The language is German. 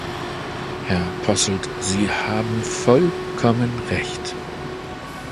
Herr Posselt, Sie haben vollkommen recht.